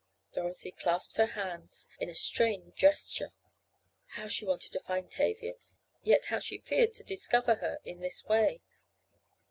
Dorothy clasped her hands in a strained gesture. How she wanted to find Tavia, yet how she feared to discover her in this way!